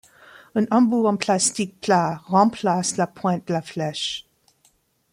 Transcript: Un embout en plastique plat remplace la pointe de la flèche.